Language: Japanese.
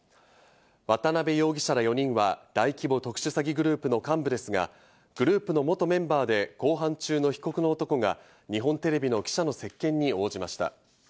渡辺容疑者ら４人は、大規模特殊詐欺グループの幹部ですが、グループの元メンバーで公判中の被告の男が日本テレビと記者の接見に応じました。